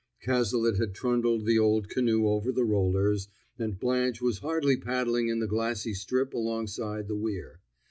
Cazalet had trundled the old canoe over the rollers, and Blanche was hardly paddling in the glassy strip alongside the weir.